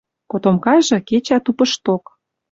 Котомкажы кечӓ тупышток.